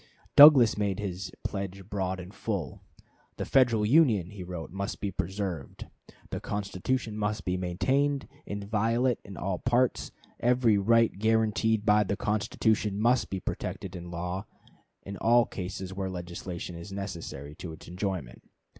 Douglas made his pledge broad and full. "The Federal Union," wrote he, "must be preserved. The Constitution must be maintained inviolate in all its parts. Every right guaranteed by the Constitution must be protected by law in all cases where legislation is necessary to its enjoyment.